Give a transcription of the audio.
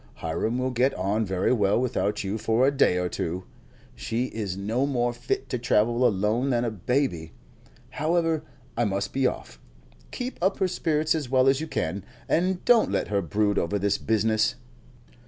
Hiram will get on very well without you for a day or two. She is no more fit to travel alone than a baby. However, I must be off. Keep up her spirits as well as you can, and don't let her brood over this business."